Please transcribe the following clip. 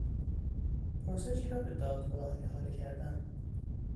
پرسشی را به دادگاه احاله کردن